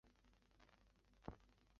太和岗位于中国广州市越秀区。